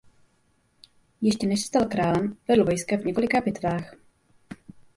Ještě než se stal králem vedl vojska v několika bitvách.